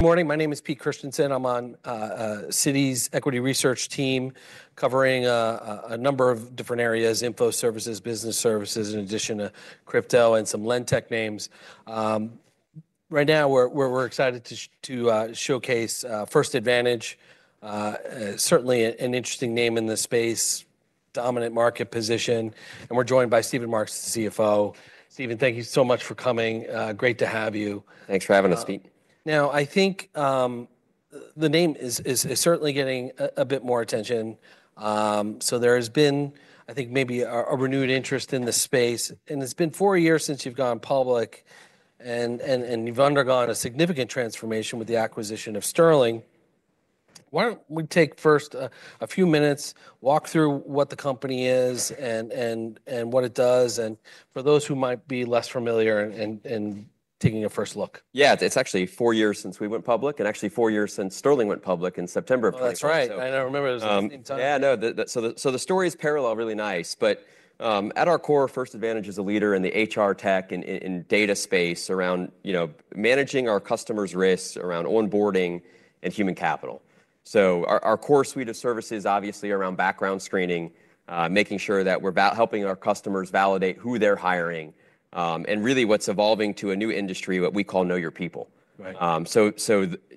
Morning. My name is Pete Christiansen. I'm on Citi's equity research team covering a number of different areas, info services, business services, in addition to crypto and some LendTech names. Right now, we're excited to showcase First Advantage, certainly an interesting name in the space, dominant market position. And we're joined by Stephen Marks, the CFO. Stephen, thank you so much for coming. Great to have you. Thanks for having us, Pete. I think the name is certainly getting a bit more attention. So there has been, I think, maybe a renewed interest in the space. And it's been four years since you've gone public, and you've undergone a significant transformation with the acquisition of Sterling. Why don't we take first a few minutes, walk through what the company is and what it does and for those who might be less familiar and taking a first look? Yes. It's actually four years since we went public and actually four years since Sterling went public in September '20 Oh, that's right. I know. Remember, it in time. Yeah. Know. So the story is parallel really nice. But at our core, First Advantage is a leader in the HR tech and data space around managing our customers' risks, around onboarding, and human capital. So our core suite of services, obviously, around background screening, making sure that we're helping our customers validate who they're hiring, and really what's evolving to a new industry, what we call know your people. So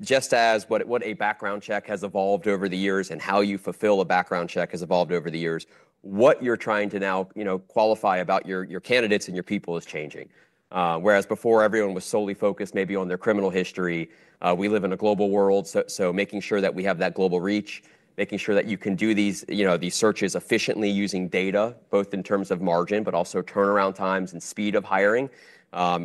just as what a background check has evolved over the years and how you fulfill a background check has evolved over the years, what you're trying to now qualify about your candidates and your people is changing. Whereas before, everyone was solely focused maybe on their criminal history. We live in a global world, so so making sure that we have that global reach, making sure that you can do these, you know, these searches efficiently using data both in terms of margin, but also turnaround times and speed of hiring.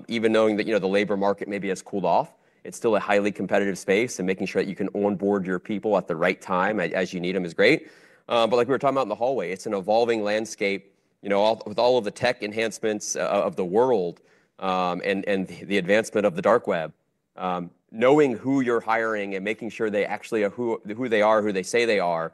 Even knowing that, you know, the labor market maybe has cooled off, it's still a highly competitive space. And making sure that you can onboard your people at the right time as you need them is great. But like we were talking about in the hallway, it's an evolving landscape, you know, all with all of the tech enhancements of the world and the advancement of the dark web, knowing who you're hiring and making sure they actually are who they are, who they say they are,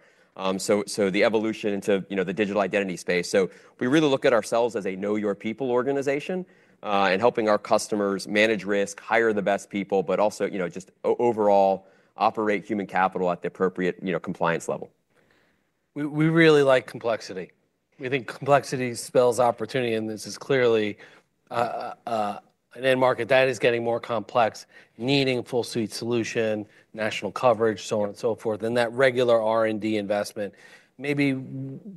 so the evolution into the digital identity space. So we really look at ourselves as a know your people organization and helping our customers manage risk, hire the best people, but also just overall operate human capital at the appropriate compliance level. We really like complexity. We think complexity spells opportunity, and this is clearly an end market that is getting more complex, needing full suite solution, national coverage, so on and so forth, that regular R and D investment. Maybe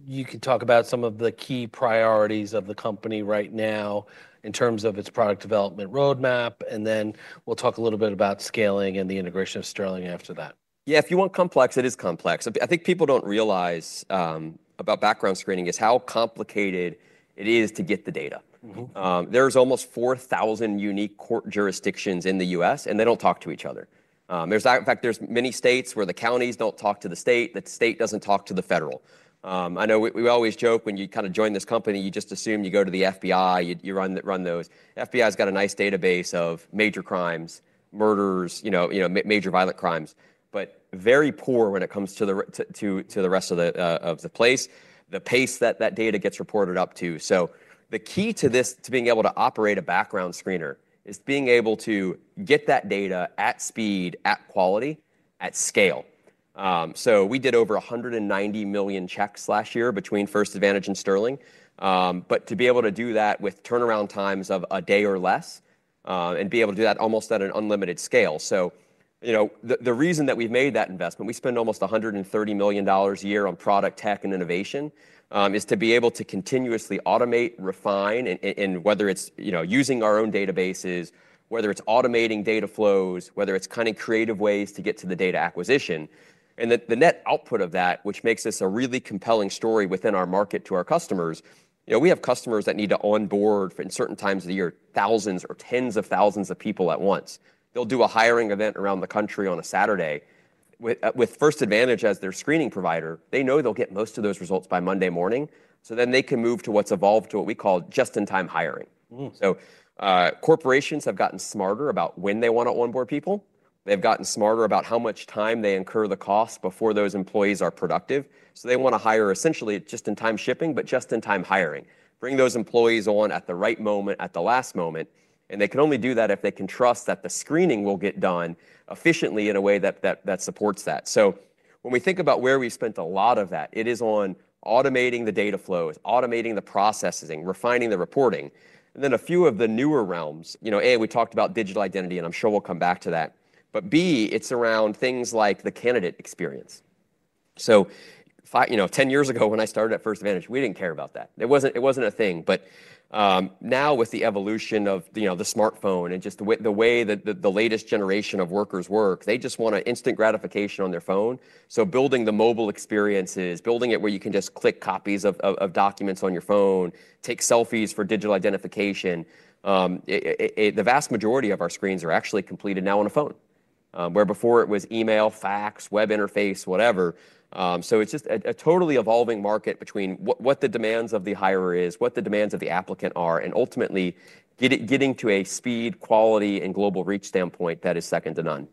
you could talk about some of the key priorities of the company right now in terms of its product development roadmap, and then we'll talk a little bit about scaling and the integration of Sterling after that. Yeah. If you want complex, it is complex. I think people don't realize about background screening is how complicated it is to get the data. Mhmm. There's almost 4,000 unique court jurisdictions in The US, and they don't talk to each other. There's in fact, there's many states where the counties don't talk to the state. That state doesn't talk to the federal. I know we we always joke when you kind of join this company, you just assume you go to the FBI. You you run run those. FBI's got a nice database of major crimes, murders, you know you know, major violent crimes, but very poor when it comes to the to to to the rest of the of the place, the pace that that data gets reported up to. So the key to this, to being able to operate a background screener, is being able to get that data at speed, at quality, at scale. So we did over 190,000,000 checks last year between First Advantage and Sterling. But to be able to do that with turnaround times of a day or less and be able to do that almost at an unlimited scale. So the reason that we've made that investment, we spend almost $130,000,000 a year on product tech and innovation, is to be able to continuously automate, refine, and whether it's using our own databases, whether it's automating data flows, whether it's kind of creative ways to get to the data acquisition. And the net output of that, which makes this a really compelling story within to our customers, you know, we have customers that need to onboard in certain times of the year thousands or tens of thousands of people at once. They'll do a hiring event around the country on a Saturday with with First Advantage as their screening provider. They know they'll get most of those results by Monday morning, so then they can move to what's evolved to what we call just in time hiring. So, corporations have gotten smarter about when they wanna onboard people. They've gotten smarter about how much time they incur the cost before those employees are productive. So they want to hire essentially just in time shipping, but just in time hiring, bring those employees on at the right moment, at the last moment. And they can only do that if they can trust that the screening will get done efficiently in a way that supports that. So when we think about where we spent a lot of that, it is on automating the data flows, automating the processing, refining the reporting. And then a few of the newer realms A, we talked about digital identity, and I'm sure we'll come back to that. But B, it's around things like the candidate experience. So five know, ten years ago when I started at First Advantage, we didn't care about that. It wasn't it wasn't a thing. But, now with the evolution of, you know, the smartphone and just the way the the latest generation of workers work, they just want an instant gratification on their phone. So building the mobile experiences, building it where you can just click copies of of of documents on your phone, take selfies for digital identification, the vast majority of our screens are actually completed now on a phone, where before it was email, fax, web interface, whatever. So it's just a totally evolving market between what the demands of the hirer is, what the demands of the applicant are, and ultimately, get it getting to a speed, quality, and global reach standpoint that is second to none.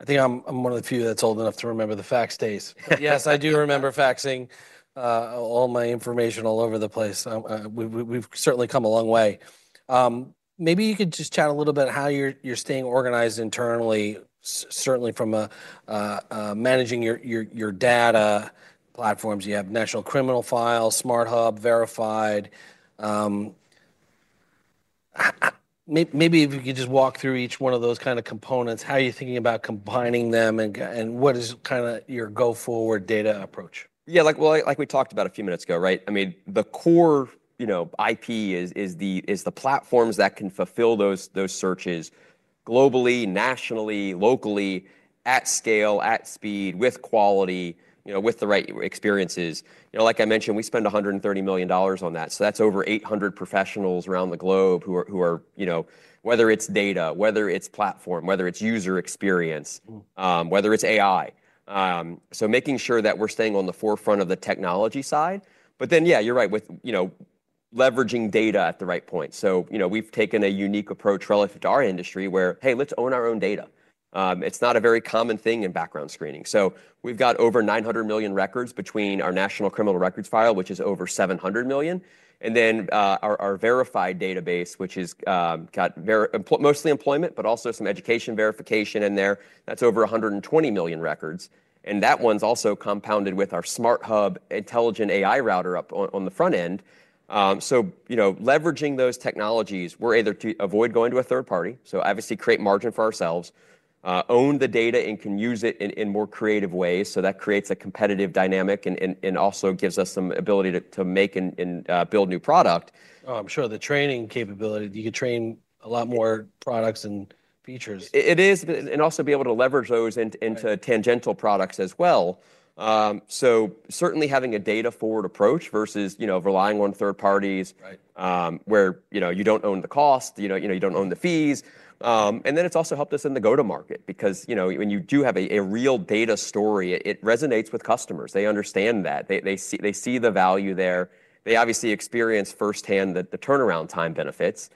I think I'm I'm one of the few that's old enough to remember the fax days. Yes, I do remember faxing all my information all over the place. We've certainly come a long way. Maybe you could just chat a little bit how you're staying organized internally, from managing your data platforms. You have National Criminal Files, Smart Hub, Verified. Maybe if you could just walk through each one of those kind of components, how are you thinking about combining them what is kind of your go forward data approach? Yeah. Like we talked about a few minutes ago, right? I mean, the core IP is the platforms that can fulfill those searches globally, nationally, locally, at scale, at speed, with quality, with the right experiences. Like I mentioned, we spend 130,000,000 on that. So that's over 800 professionals around the globe who are who are whether it's data, whether it's platform, whether it's user experience, whether it's AI. So making sure that we're staying on the forefront of the technology side. But then, yeah, you're right with, you know, leveraging data at the right point. So, you know, we've taken a unique approach relative to our industry where, hey. Let's own our own data. It's not a very common thing in background screening. So we've got over 900,000,000 records between our national criminal records file, which is over 700,000,000. And then our our verified database, which has got very mostly employment, but also some education verification in there. That's over a 120,000,000 records. And that one's also compounded with our smart hub intelligent AI router up on on the front end. So, you know, leveraging those technologies, we're either to avoid going to a third party, so obviously create margin for ourselves, own the data and can use it in in more creative ways so that creates a competitive dynamic and and and also gives us some ability to to make and and build new product. Oh, I'm sure the training capability. You could train a lot more products and features. It is. And also be able to leverage those into tangential products as well. So certainly having a data forward approach versus relying on third parties where, you know, you don't own the cost. You know you know, you don't own the fees. And then it's also helped us in the go to market because, you know, when you do have a a real data story, it resonates with customers. They understand that. They they see they see the value there. They obviously experience firsthand the the turnaround time benefits.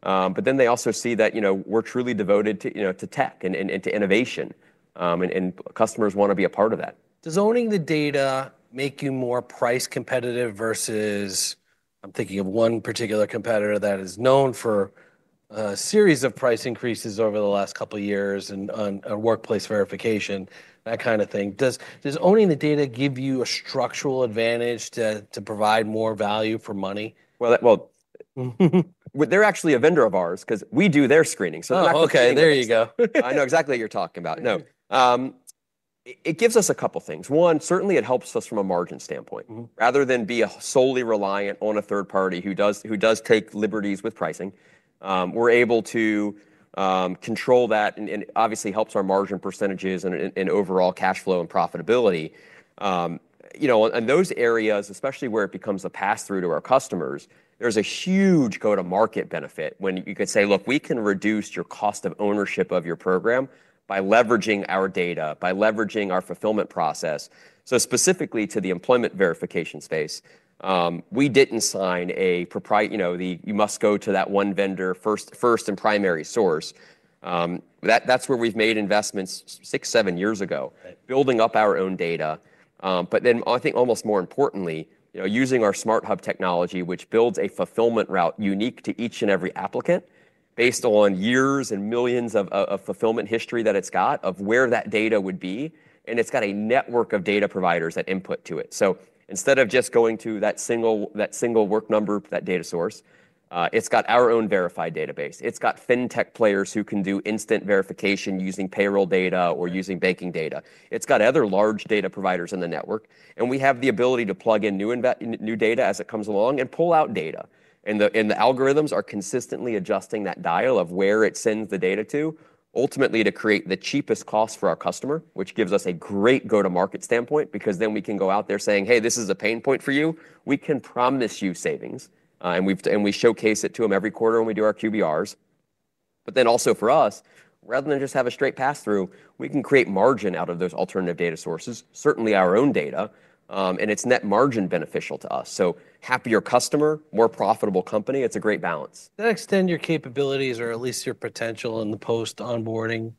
But then they also see that, you know, we're truly devoted to, you know, to tech and and and to innovation, and and customers wanna be a part of that. Does owning the data make you more price competitive versus I'm thinking of one particular competitor that is known for a series of price increases over the last couple of years on workplace verification, that kind of thing. Does owning the data give you a structural advantage to to provide more value for money? Well, well, they're actually a vendor of ours because we do their screening. Oh, okay. There you go. I know exactly what you're talking about. No. It gives us a couple of things. One, certainly, it helps us from a margin standpoint. Mhmm. Rather than be solely reliant on a third party who does who does take liberties with pricing, we're able to, control that and and obviously obviously helps our margin percentages and overall cash flow and profitability. And those areas, especially where it becomes a pass through to our customers, there's a huge go to market benefit when you could say, look, we can reduce your cost of ownership of your program by leveraging our data, by leveraging our fulfillment process. So specifically to the employment verification space, we didn't sign a you must go to that one vendor first and primary source. That's where we've made investments six, seven years ago, building up our own data. But then I think almost more importantly, you know, using our smart hub technology, which builds a fulfillment route unique to each and every applicant based on years and millions of fulfillment history that it's got of where that data would be, and it's got a network of data providers that input to it. So instead of just going to that single that single work number, that data source, it's got our own verified database. It's got fintech players who can do instant verification using payroll data or using banking data. It's got other large data providers in the network, and we have the ability to plug in new in new data as it comes along and pull out data. And the and the algorithms are consistently adjusting that dial of where it sends the data to, ultimately, to create the cheapest cost for our customer, which gives us a great go to market standpoint because then we can go out there saying, hey. This is a pain point for you. We can promise you savings. And we've and we showcase it to them every quarter when we do our QBRs. But then also for us, rather than just have a straight pass through, we can create margin out of those alternative data sources, certainly our own data, and it's net margin beneficial to us. So happier customer, more profitable company. It's a great balance. That extend your capabilities or at least your potential in the post onboarding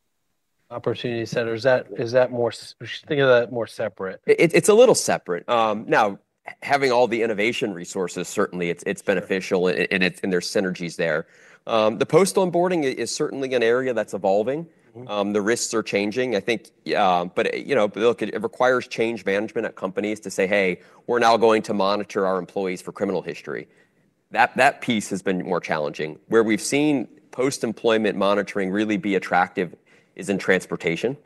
opportunity centers. Is that is that more we should think of that more separate. It's it's a little separate. Now having all the innovation resources, certainly, it's it's beneficial, and it's and there's synergies there. The post onboarding is certainly an area that's evolving. Mhmm. The risks are changing. I think, but, you know, look. It requires change management at companies to say, hey. We're now going to monitor our employees for criminal history. That that piece has been more challenging. Where we've seen post employment monitoring really be attractive is in transportation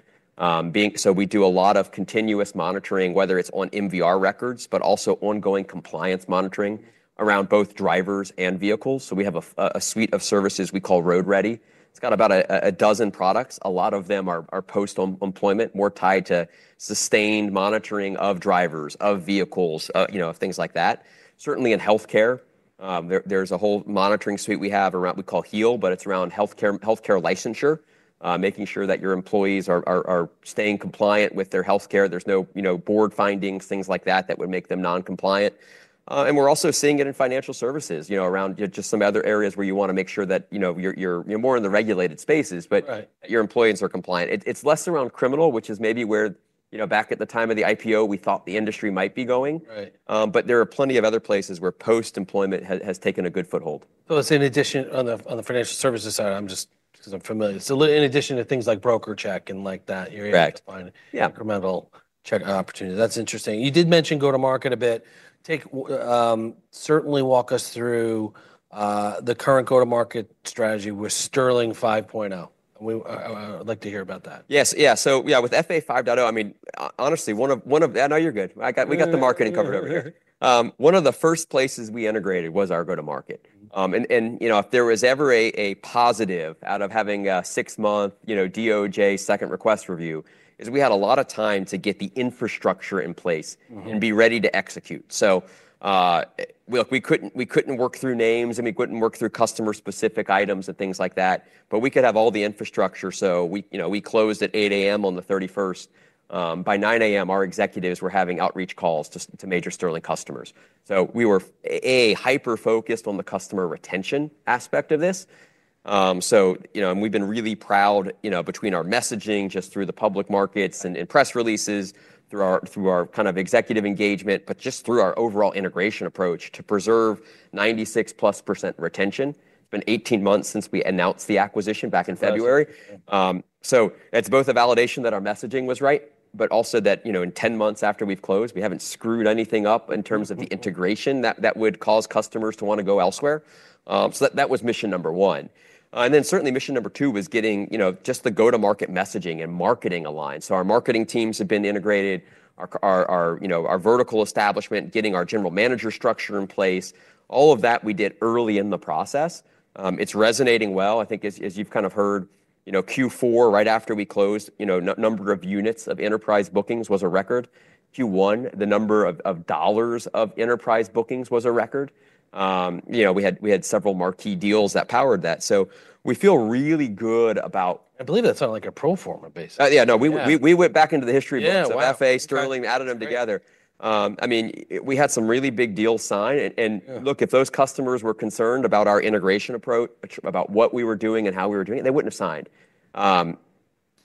being so we do a lot of continuous monitoring, whether it's on MVR records, but also ongoing compliance monitoring around both drivers and vehicles. So we have a a suite of services we call Road Ready. It's got about a a dozen products. A lot of them are are post employment, more tied to sustained monitoring of drivers, of vehicles, you know, things like that. Certainly in health care, there there's a whole monitoring suite we have around we call HEAL, but it's around health care health care licensure, making sure that your employees are are are staying compliant with their health care. There's no, you know, board findings, things like that that would make them noncompliant. And we're also seeing it in financial services, you know, around just some other areas where you wanna make sure that, you know, you're you're you're more in the regulated spaces, but Right. Your employees are compliant. It it's less around criminal, which is maybe where, you know, back at the time of the IPO, we thought the industry might be going. Right. But there are plenty of other places where post employment had has taken a good foothold. So let's say in addition on the on the financial services side, I'm because I'm familiar. So in addition to things like broker check and like that, you're able to find incremental check opportunities. That's interesting. You did mention go to market a bit. Certainly walk us through the current go to market strategy with Sterling five point o. We I'd like to hear about that. Yes. Yeah. So, yeah, with FA five dot o, I mean, honestly, one of one of I know you're good. I got we got the marketing covered over here. One of the first places we integrated was our go to market. And and, you know, if there was ever a a positive out of having a six month, you know, DOJ second request review is we had a lot of time to get the infrastructure in place Mhmm. And be ready to execute. So, look, we couldn't we couldn't work through names, and we couldn't work through customer specific items and things like that, but we could have all the infrastructure. So we, you know, we closed at 8AM on the thirty first. By 9AM, our executives were having outreach calls to to major Sterling So we were, a, hyper focused on the customer retention aspect of this. So you know? And we've been really proud, you know, between our messaging just through the public markets and in press releases, through our through our kind of executive engagement, but just through our overall integration approach to preserve 96 plus percent retention. It's been eighteen months since we announced the acquisition back in February. So it's both a validation that our messaging was right, but also that, you know, in ten months after we've closed, we haven't screwed anything up in terms of the integration that that would cause customers to wanna go elsewhere. So that that was mission number one. And then certainly mission number two was getting, you know, just the go to market messaging and marketing aligned. So our marketing teams have been integrated. Our you know, our vertical establishment, getting our general manager structure in place. All of that we did early in the process. It's resonating well. I think as as you've kind of heard, you know, q four right after we closed, you know, number of units of enterprise bookings was a record. Q one, the number of of dollars of enterprise bookings was a record. Know, we had we had several marquee deals that powered that. So we feel really good about I believe that's not like a pro form a basis. Yeah. No. We we we went back into the history of F. A. Sterling, added them together. I mean, we had some really big deals signed. And and Yeah. Look, if those customers were concerned about our integration approach, about what we were doing and how we were doing it, they wouldn't have signed.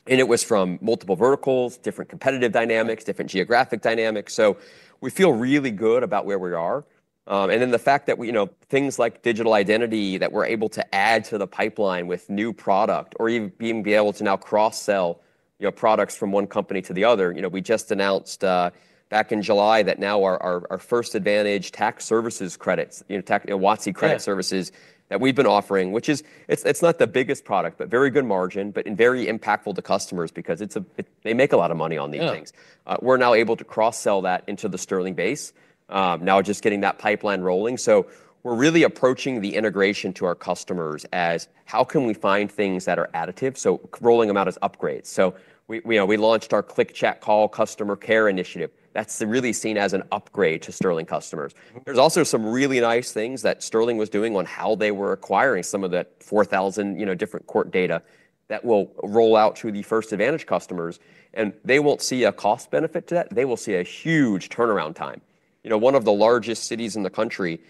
And it was from multiple verticals, different competitive dynamics, different geographic dynamics. So we feel really good about where we are. And then the fact that we you know, things like digital identity that we're able to add to the pipeline with new product or even being able to now cross sell, you know, products from one company to the other. You know, we just announced back in July that now our our our first advantage tax services credits, you know, WOTC credit that we've been offering, which is it's it's not the biggest product, but very good margin, but very impactful to customers because it's a they make a lot of money on these things. We're now able to cross sell that into the Sterling base. Now we're just getting that pipeline rolling. So we're really approaching the integration to our customers as how can we find things that are additive, so rolling them out as upgrades. So we we, you we launched our click chat call customer care initiative. That's really seen as an upgrade to Sterling customers. There's also some really nice things that Sterling was doing on how they were acquiring some of that 4,000, you know, different court data that will roll out to the First Advantage customers. And they won't see a cost benefit to that. They will see a huge turnaround time. You know, one of the largest cities in the country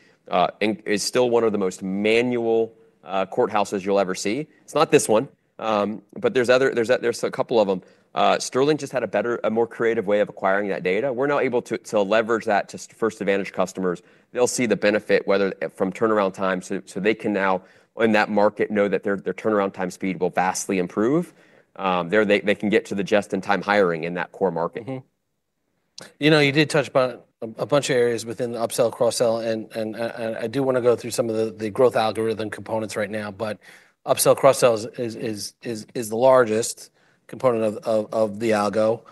is still one of the most manual courthouses you'll ever see. It's not this one, but there's other there's a there's a couple of them. Sterling just had a better a more creative way of acquiring that data. We're now able to to leverage that to First Advantage customers. They'll see the benefit whether from turnaround time so so they can now, in that market, know that their their turnaround time speed will vastly improve. There, they can get to the just in time hiring in that core market. You did touch upon a bunch of areas within upsell, cross sell, and I do want to go through some of growth algorithm components right now. But upsell, cross sell is the largest component of the algo.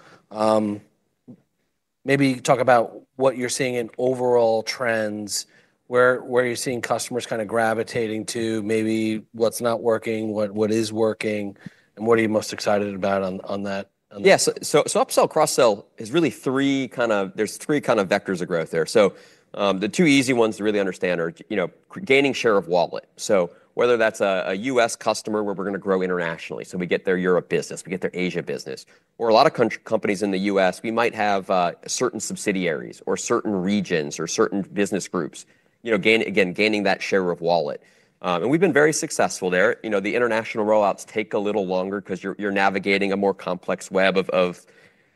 Maybe talk about what you're seeing in overall trends, you're seeing customers kind of gravitating to maybe what's not working, what is working and what are you most excited about on on that? Yes. So so upsell, cross sell is really three kind of there's three kind of vectors of growth there. So, the two easy ones to really understand are, you know, gaining share of wallet. So whether that's a a US customer where we're gonna grow internationally. So we get their Europe business. We get their Asia business. Or a lot of countries in The US, we might have certain subsidiaries or certain regions or certain business groups, you know, gain again, gaining that share of wallet. And we've been very successful there. You know, the international rollouts take a little longer because you're you're navigating a more complex web of of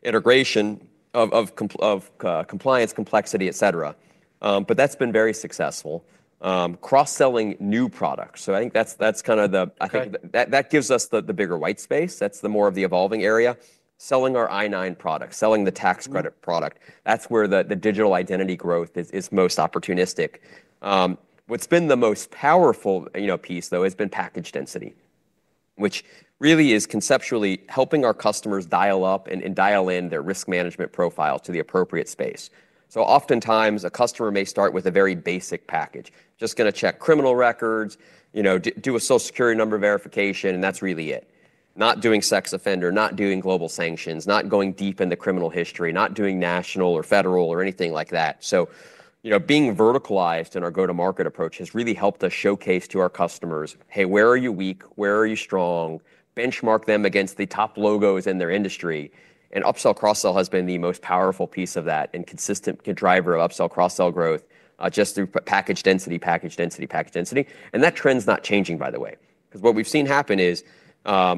integration of of compliance complexity, etcetera. But that's been very successful. Cross selling new products. So I think that's that's kind of the I think that that gives us the the bigger white space. That's the more of the evolving area. Selling our I nine product, selling the tax credit product, that's where the the digital identity growth is is most opportunistic. What's been the most powerful piece, though, has been package density, which really is conceptually helping our customers dial up and dial in their risk management profile to the appropriate space. So oftentimes, a customer may start with a very basic package, Just going to check criminal records, do a social security number verification, and that's really it. Not doing sex offender, not doing global sanctions, not going deep into criminal history, not doing national or federal or anything like that. Being verticalized in our go to market approach has really helped us showcase to our customers, hey, where are you weak? Where are you strong? Benchmark them against the top logos in their industry. And upsellcross sell has been the most powerful piece of that and consistent driver of upsellcross sell growth just through package density, package density, package density. And that trend's not changing, by the way. Because what we've seen happen is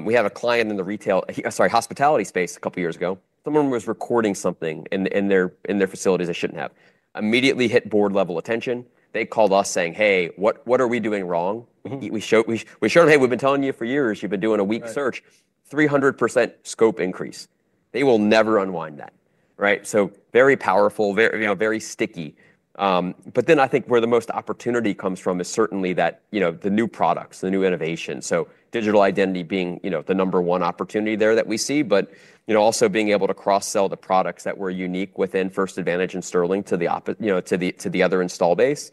we have a client in the retail sorry, hospitality space a couple years ago. Someone was recording something in in their in their facilities they shouldn't have. Immediately hit board level attention. They called us saying, hey. What what are we doing wrong? Mhmm. We show we we show them, hey. We've been telling you for years. You've been doing a weak search. 300% scope increase. They will never unwind that. Right? So very powerful, very, you know, very sticky. But then I think where the most opportunity comes from is certainly that, you know, the new products, the new innovation. So digital identity being, you know, the number one opportunity there that we see, but, you know, also being able to cross sell the products that were unique within First Advantage and Sterling to the, you know, to the to the other install base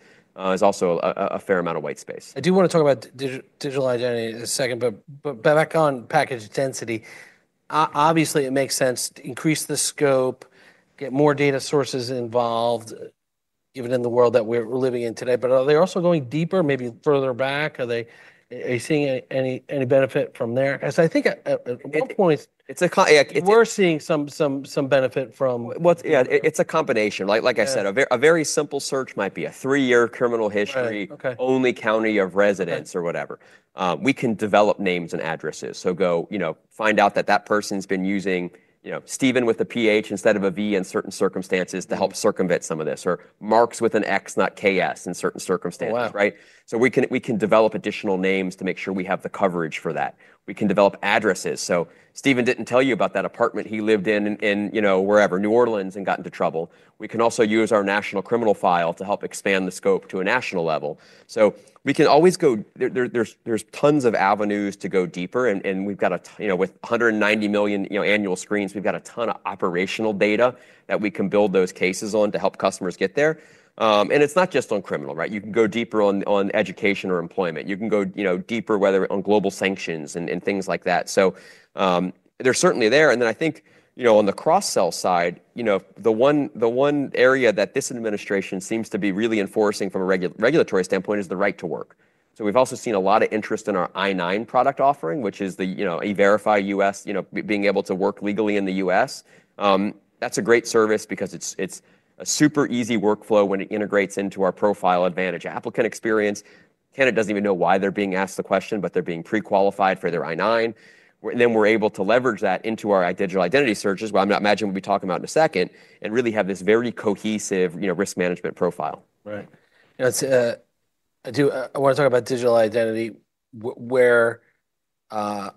is also a fair amount of white space. I do wanna talk about digital identity in a second, but but back on package density, Obviously, it makes sense to increase the scope, get more data sources involved given in the world that we're we're living in today. But are they also going deeper, maybe further back? Are they are you seeing any any benefit from there? Because I think at what point we're seeing some some some benefit from What's Yeah. It's a combination. Like like I said, a very a very simple search might be a three year criminal history Okay. Only county of residence or whatever. We can develop names and addresses. So go, you know, find out that that person's been using, you know, Steven with a p h instead of a v in certain circumstances to help circumvent some of this. Or Marks with an x, not k s, in certain circumstances. Right? So we can we can develop additional names to make sure we have the coverage for that. We can develop addresses. So Steven didn't tell you about that apartment he lived in in in, you know, wherever, New Orleans and got into trouble. We can also use our national criminal file to help expand the scope to a national level. So we can always go there there there's there's tons of avenues to go deeper, and and we've got a, you know, with 190,000,000, you know, annual screens, we've got a ton of operational data that we can build those cases on to help customers get there. And it's not just on criminal. Right? You can go deeper on on education or employment. You can go, you know, deeper whether on global sanctions and and things like that. So they're certainly there. And then I think, you know, on the cross sell side, you know, the one the one area that this administration seems to be really enforcing from a reg regulatory standpoint is the right to work. So we've also seen a lot of interest in our I nine product offering, which is the, you know, e verify US, you know, being able to work legally in The US. That's a great service because it's it's a super easy workflow when it integrates into our profile advantage applicant experience. Tenant doesn't even know why they're being asked the question, but they're being prequalified for their I nine. And then we're able to leverage that into our digital identity searches, but I'm not imagining we'll be talking about in a second, and really have this very cohesive, you know, risk management profile. Right. You know, it's, I do, I wanna talk about digital identity, where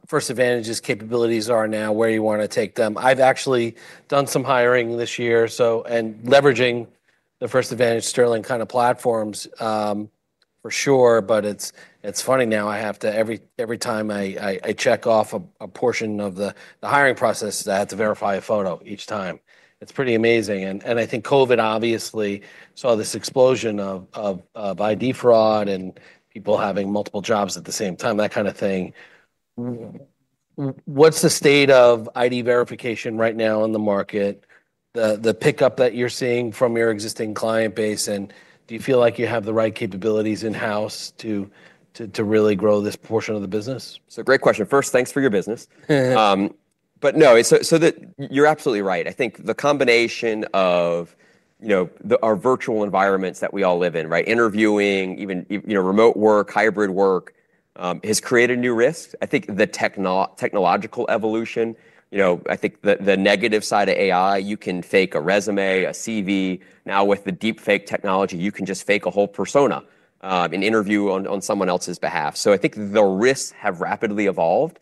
First Advantage's capabilities are now, where you wanna take them. I've actually done some hiring this year. So and leveraging the First Advantage Sterling kind of platforms for sure, but it's it's funny now. I have to every every time I I I check off a a portion of the the hiring process, I have to verify a photo each time. It's pretty amazing. And and I think COVID obviously saw this explosion of ID fraud and people having multiple jobs at the same time, that kind of thing. What's the state of ID verification right now in the market, the pickup that you're seeing from your existing client base? And do you feel like you have the right capabilities in house to to to really grow this portion of the business? So great question. First, thanks for your business. But no. It's so that you're absolutely right. I think the combination of, you know, the our virtual environments that we all live in. Right? Interviewing, even, you know, remote work, hybrid work, has created new risks. I think the techno technological evolution, you know, I think the the negative side of AI, you can fake a resume, a CV. Now with the deepfake technology, you can just fake a whole persona, an interview on on someone else's behalf. So I think the risks have rapidly evolved.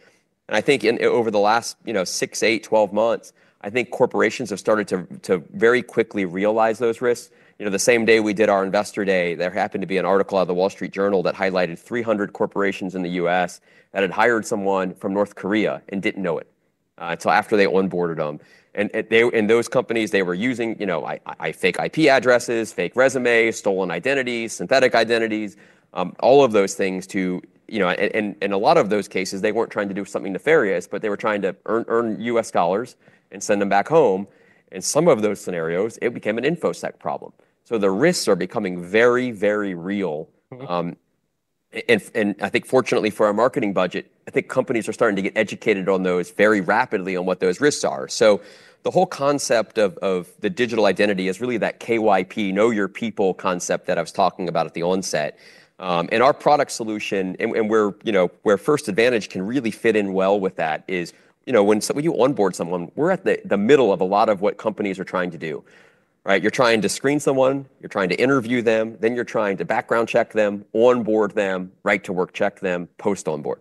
And I think in over the last six, eight, twelve months, I think corporations have started to to very quickly realize those risks. You know, the same day we did our Investor Day, there happened to be an article out of The Wall Street Journal that highlighted 300 corporations in The US that had hired someone from North Korea and didn't know it, until after they onboarded them. And and they and those companies, they were using, you know, fake IP addresses, fake resumes, stolen identities, synthetic identities, all of those things to you know? And in a lot of those cases, they weren't trying to do something nefarious, but they were trying to earn earn US dollars and send them back home. In some of those scenarios, it became an InfoSec problem. So the risks are becoming very, very real. Mhmm. And and I think, fortunately, for our marketing budget, I think companies are starting to get educated on those very rapidly on what those risks are. So the whole concept of of the digital identity is really that KYP, know your people concept that I was talking about at the onset. And our product solution and and where, you know, where first advantage can really fit in well with that is, know, when someone you onboard someone, we're at the the middle of a lot of what companies are trying to do. Right? You're trying to screen someone. You're trying to interview them. Then you're trying to background check them, onboard them, right to work check them, post onboard.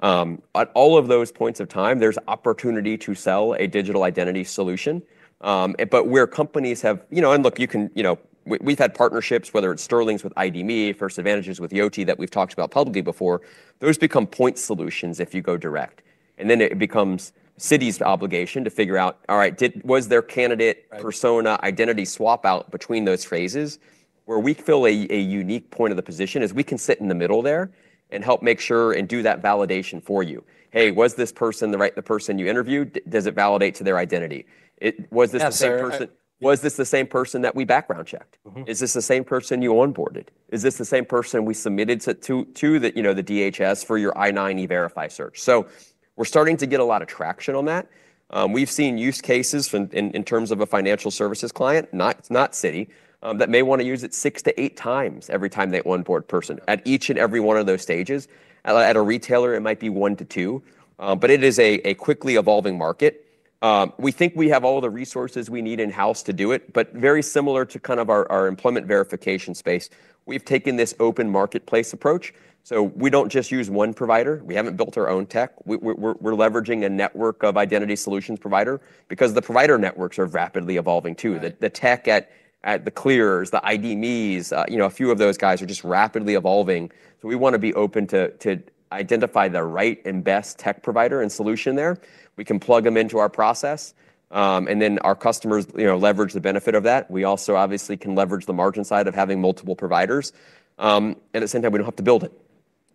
At all of those points of time, there's opportunity to sell a digital identity solution. But where companies have you know? And look. You can you know, we we've had partnerships, whether it's Sterling's with ID. Me, FirstAdvantages with Yoti, that we've talked about publicly before. Those become point solutions if you go direct. And then it becomes Citi's obligation to figure out, alright. Did was their candidate Right. Persona identity swap out between those phases? Where we feel a a unique point of the position is we can sit in the middle there and help make sure and do that validation for you. Hey. Was this person the right the person you interviewed? Does it validate to their identity? It was this the same person was this the same person that we background checked? Mhmm. Is this the same person you onboarded? Is this the same person we submitted to to to the, you know, the DHS for your I nine e verify search? So we're starting to get a lot of traction on that. We've seen use cases from in in terms of a financial services client, not not Citi, that may wanna use it six to eight times every time they onboard a person at each and every one of those stages. At retailer, it might be one to two, but it is a a quickly evolving market. We think we have all the resources we need in house to do it. But very similar to kind of our our employment verification space, we've taken this open marketplace approach. So we don't just use one provider. We haven't built our own tech. We we're we're leveraging a network of identity solutions provider because the provider networks are rapidly evolving too. The the tech at at the Clears, the ID. Me's, you know, a few of those guys are just rapidly evolving. So we wanna be open to to identify the right and best tech provider and solution there. We can plug them into our process, and then our customers, you know, leverage the benefit of that. We also obviously can leverage the margin side of having multiple providers. And at the same time, we don't have to build it.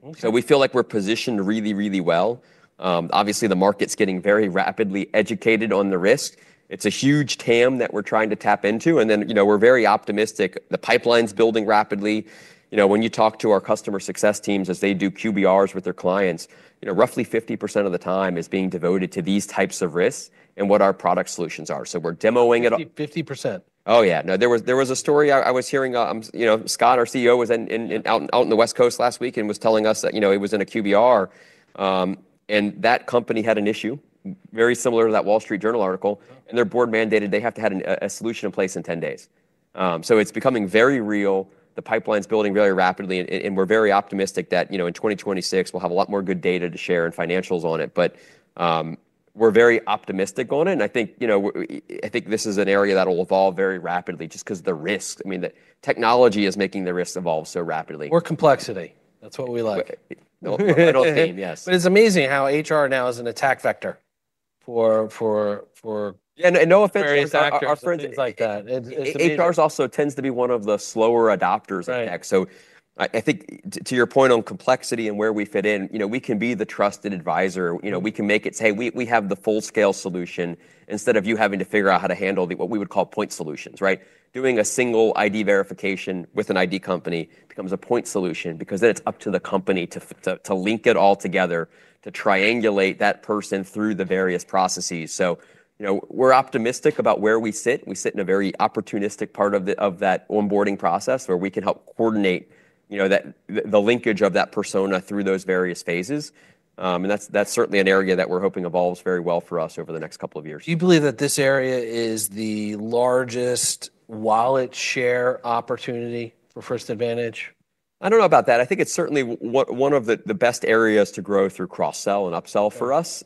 Okay. So we feel like we're positioned really, really well. Obviously, the market's getting very rapidly educated on the risk. It's a huge TAM that we're trying to tap into. And then we're very optimistic. The pipeline's building rapidly. When you talk to our customer success teams as they do QBRs with their clients, you know, roughly 50% of the time is being devoted to these types of risks and what our product solutions are. So we're demoing it up. 50%. Oh, yeah. No. There was there was a story I I was hearing. You know, Scott, our CEO, was in in in out out in the West Coast last week and was telling us that, know, he was in a QBR, And that company had an issue very similar to that Wall Street Journal article, and their board mandated they have to have a solution in place in ten days. So it's becoming very real. The pipeline's building very rapidly, and and we're very optimistic that, you know, in 2026, we'll have a lot more good data to share and financials on it. But we're very optimistic on it, and I think this is an area that will evolve very rapidly just because of the risk. Mean, technology is making the risk evolve so rapidly. More complexity. That's what we like. No. We're a middle team. Yes. But it's amazing how HR now is an attack vector for for for And and no offense to our our friends is like that. It's it's amazing. Also tends to be one of the slower adopters of the next. So I I think to to your point on complexity and where we fit in, you know, we can be the trusted adviser. You know, we can make it say, we we have the full scale solution instead of you having to figure out how to handle the what we would call point solutions. Right? Doing a single ID verification with an ID company becomes a point solution because then it's up to the company to to to link it all together, to triangulate that person through the various processes. So, you know, we're optimistic about where we sit. We sit in a very opportunistic part of the of that onboarding process where we can help coordinate, you know, that the the linkage of that persona through those various phases. And that's that's certainly an area that we're hoping evolves very well for us over the next couple of years. Do you believe that this area is the largest wallet share opportunity for First Advantage? I don't know about that. I think it's certainly one of the the best areas to grow through cross sell and upsell for us.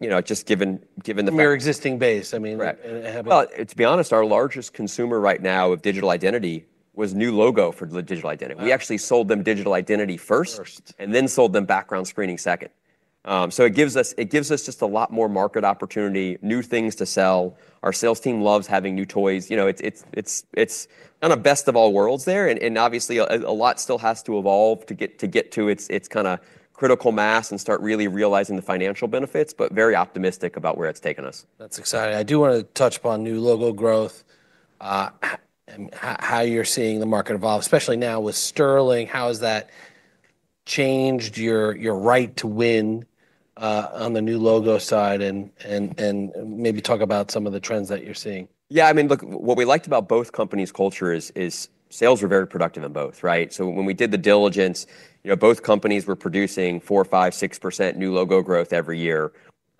You know, just given given the From your existing base. I mean Right. Well, to be honest, our largest consumer right now of digital identity was new logo for the digital identity. We actually sold them digital identity first First. And then sold them background screening second. So it gives us it gives us just a lot more market opportunity, new things to sell. Our sales team loves having new toys. You know, it's it's it's not a best of all worlds there, and and obviously a lot still has to evolve to get to get to its its kind of critical mass and start really realizing the financial benefits, but very optimistic about where it's taken us. That's exciting. I do want to touch upon new logo growth and how you're seeing the market evolve, especially now with Sterling. How has that changed your right to win on the new logo side? Maybe talk about some of the trends that you're seeing. Yeah. I mean, look, what we liked about both companies' culture is is sales were very productive in both. Right? So when we did the diligence, you know, both companies were producing four, five, 6% new logo growth every year,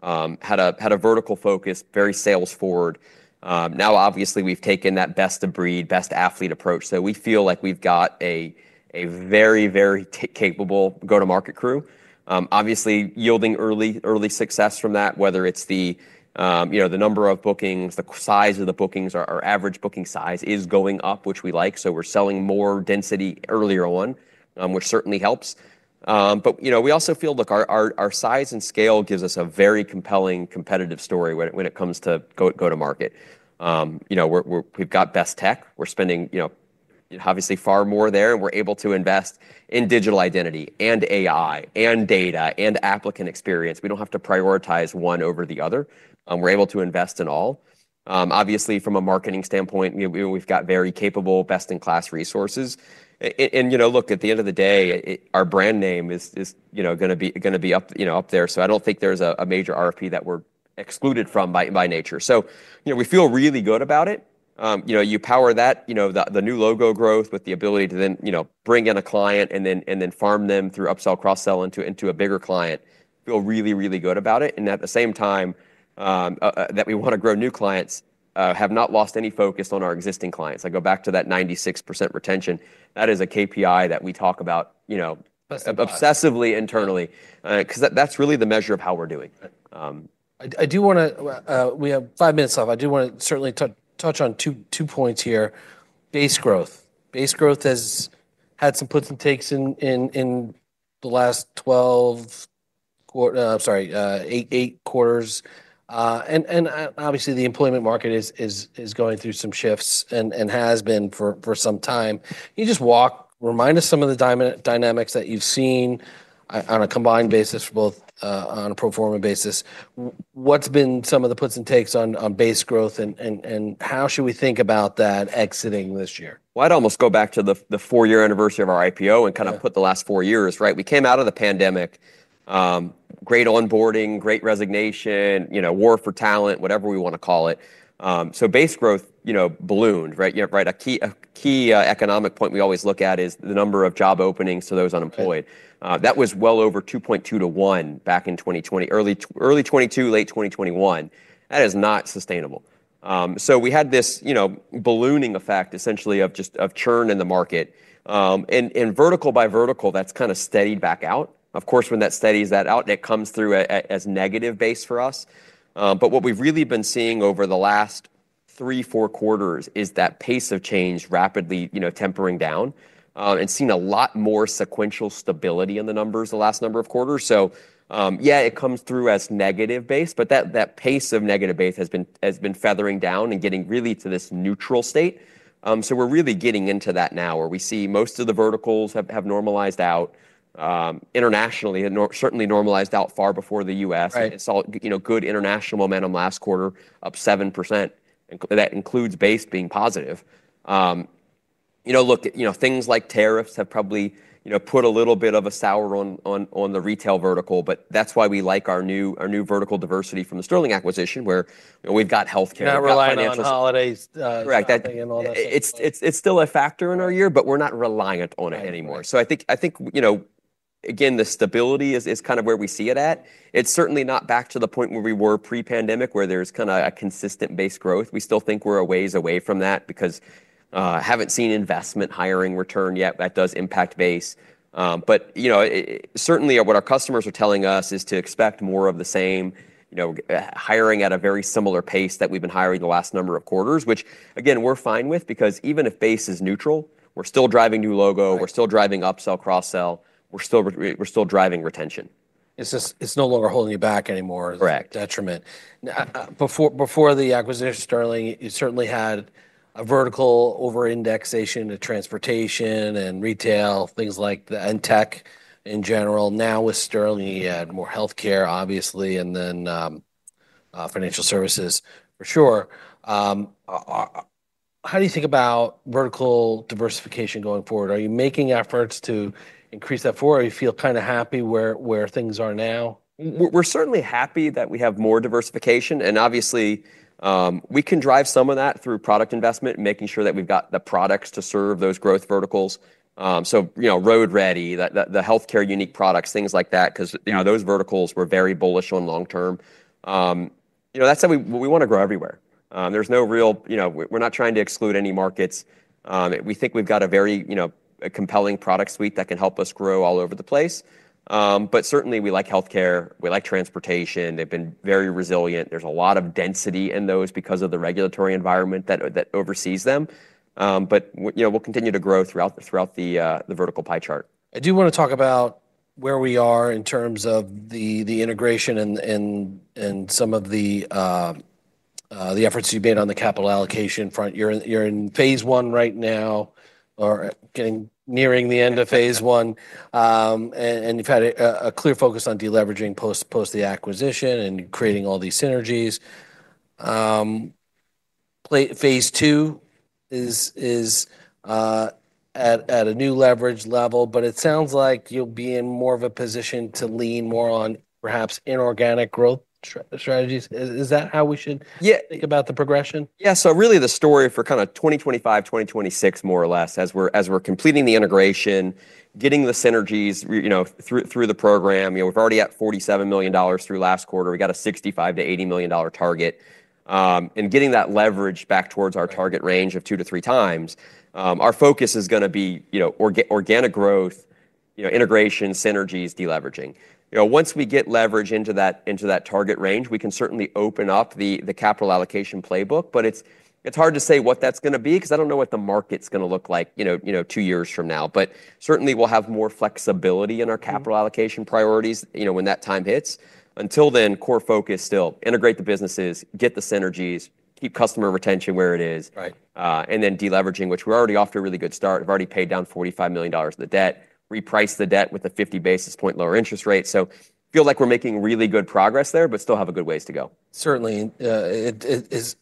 had a had a vertical focus, very sales forward. Now, obviously, we've taken that best of breed, best athlete approach. So we feel like we've got a a very, very capable go to market crew. Obviously, yielding early early success from that, whether it's the, you know, the number of bookings, the size of the bookings. Our our average booking size is going up, which we like. So we're selling more density earlier on, which certainly helps. But, you know, we also feel look. Our our our size and scale gives us a very compelling competitive story when it when it comes to go go to market. You know, we're we're we've got best tech. We're spending, you know, obviously, far more there. We're able to invest in digital identity and AI and data and applicant experience. We don't have to prioritize one over the other. We're able to invest in all. Obviously, from a marketing standpoint, you know, we we've got very capable, best in class resources. And, you know, look. At the end of the day, our brand name is is, you know, gonna be gonna be up, you know, up there. So I don't think there's a a major RFP that we're excluded from by by nature. So, you know, we feel really good about it. You know, you power that, you know, the the new logo growth with the ability to then, you know, bring in a client and then and then farm them through upsell cross sell into into a bigger client. Feel really, really good about it. And at the same time, that we wanna grow new clients, have not lost any focus on our existing clients. I go back to that 96% retention. That is a KPI that we talk about, you know, obsessively internally, because that's really the measure of how we're doing. I do wanna we have five minutes left. I do wanna certainly touch on two points here. Base growth. Base growth has had some puts and takes in in in the last twelve quarter I'm sorry, eight quarters. And obviously, the employment market is going through some shifts and has been for some time. Can you just walk remind us some of the dynamics that you've seen on a combined basis, both on a pro form a basis. What's been some of the puts and takes on on base growth, and and and how should we think about that exiting this year? Well, I'd almost go back to the the four year anniversary of our IPO and kind of put the last four years. Right? We came out of the pandemic. Great onboarding, great resignation, you know, war for talent, whatever we wanna call it. So base growth, you know, ballooned. Right? Have right? A key a key economic point we always look at is the number of job openings to those unemployed. That was well over 2.2 to one back in 2020 early early twenty two, late twenty twenty one. That is not sustainable. So we had this, you know, ballooning effect essentially of just of churn in the market. And and vertical by vertical, that's kinda steadied back out. Of course, when that steadies that out, it comes through as negative base for us. But what we've really been seeing over the last three, four quarters is that pace of change rapidly, you know, tempering down and seen a lot more sequential stability in the numbers the last number of quarters. So, yeah, it comes through as negative base, but that that pace of negative base has been has been feathering down and getting really to this neutral state. So we're really getting into that now where we see most of the verticals have have normalized out internationally and nor certainly normalized out far before The US. Right. It's all you know, good international momentum last quarter, up 7%, and that includes base being positive. Look, things like tariffs have probably put a little bit of a sour on the retail vertical. But that's why we like our new vertical diversity from the Sterling acquisition, where we've got health care and Not relying all on holidays. Right. That and all that stuff. It's it's it's still a factor in our year, but we're not reliant on it anymore. So I think I think, you know, again, the stability is is kind of where we see it at. It's certainly not back to the point where we were pre pandemic where there's kinda a consistent base growth. We still think we're a ways away from that because, haven't seen investment hiring return yet. That does impact base. But, you know, certainly, what our customers are telling us is to expect more of the same, you know, hiring at a very similar pace that we've been hiring the last number of quarters, which, again, we're fine with because even if base is neutral, we're still driving new logo, we're still driving upsellcross sell, we're still driving retention. It's no longer holding you back anymore as a Before the acquisition of Sterling, you certainly had a vertical over indexation to transportation and retail, things like end tech in general. Now with Sterling, you had more health care, obviously, and then financial services for sure. How do you think about vertical diversification going forward? Are you making efforts to increase that forward? Or you feel kind of happy where where things are now? We're we're certainly happy that we have more diversification. And obviously, we can drive some of that through product investment and making sure that we've got the products to serve those growth verticals. So, you know, road ready, the the the health care unique products, things like that, because, you know, those verticals were very bullish on long term. You know, that's how we we wanna grow everywhere. There's no real you know, we're not trying to exclude any markets. We think we've got a very, you know, a compelling product suite that can help us grow all over the place. But, certainly, we like health care. We like transportation. They've been very resilient. There's a lot of density in those because of the regulatory environment that oversees them. But we'll continue to grow throughout the vertical pie chart. I do want to talk about where we are in terms of the integration and some of the efforts you've made on the capital allocation front. You're in phase one right now or getting nearing the end of phase one. And you've had a clear focus on deleveraging post the acquisition and creating all these synergies. Phase two is at a new leverage level, but it sounds like you'll be in more of a position to lean more on perhaps inorganic growth strategies. Is is that how we should Yeah. Think about the progression? Yeah. So, really, the story for kinda 2025, 2026, more or less, as we're as we're completing the integration, getting the synergies, you know, through through the program. You know, we're already at $47,000,000 through last quarter. We got a 65 to $80,000,000 target. And getting that leverage back towards our target range of two to three times, our focus is gonna be, you know, organic growth, you know, integration, synergies, deleveraging. Once we get leverage into that target range, we can certainly open up capital allocation playbook. But it's hard to say what that's gonna be because I don't know what the market's gonna look like two years from now. But certainly, we'll have more flexibility in our capital allocation priorities when that time hits. Until then, core focus still, integrate the businesses, get the synergies, keep customer retention where it is Right. And then deleveraging, which we're already off to a really good start. We've already paid down $45,000,000 of the debt, repriced the debt with a 50 basis point lower interest rate. So feel like we're making really good progress there, but still have a good ways to go. Certainly. It it is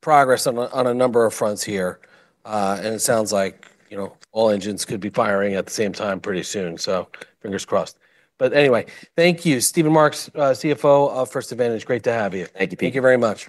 progress on a on a number of fronts here. And it sounds like, you know, all engines could be firing at the same time pretty soon. So fingers crossed. But anyway, thank you. Steven Marks, CFO of First Advantage. Great to have you. Thank you. Thank you very much.